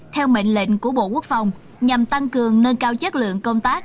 theo mệnh lệnh của bộ quốc phòng nhằm tăng cường nâng cao chất lượng công tác